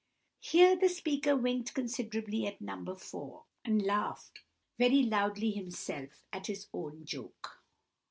Here the speaker winked considerably at No. 4, and laughed very loudly himself at his own joke.